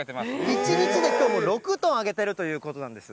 １日で、きょうも６トンもあげているということなんです。